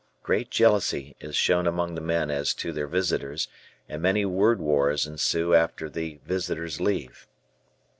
Great jealousy is shown among the men as to their visitors and many word wars ensue after the visitors leave.